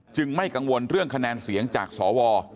ไม่กังวลเรื่องคะแนนเสียงจากสว